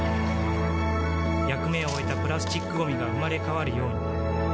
役目を終えたプラスチックごみが生まれ変わるように